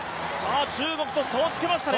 中国と差をつけましたね。